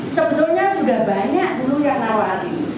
sebetulnya sudah banyak dulu yang nawarin